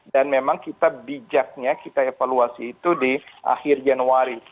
dan memang kita bijaknya kita evaluasi itu di akhir januari